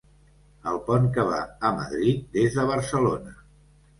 El pont que va a Madrid des de Barcelona.